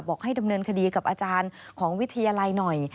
ให้ดำเนินคดีกับอาจารย์ของวิทยาลัยหน่อย